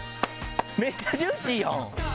めっちゃ「ジューシー」やん！